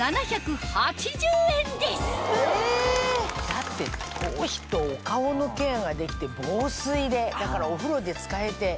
だって頭皮とお顔のケアができて防水でだからお風呂で使えて。